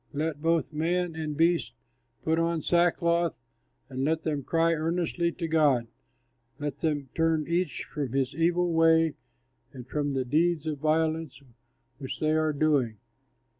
Let both man and beast put on sackcloth and let them cry earnestly to God; let them turn each from his evil way and from the deeds of violence which they are doing.